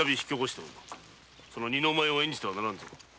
その二の舞を演じてはならぬぞ。